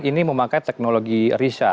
ini memakai teknologi risa